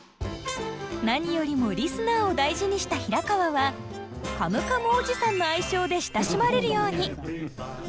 何よりもリスナーを大事にした平川は「カムカムおじさん」の愛称で親しまれるように！